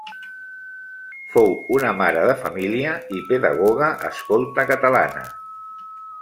Fou una mare de família i pedagoga escolta catalana.